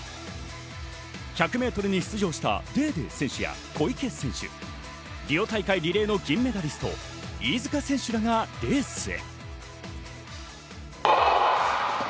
１００ｍに出場したデーデー選手や小池選手、リオ大会リレーの銀メダリスト・飯塚選手がレースへ。